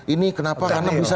ini kenapa karena bisa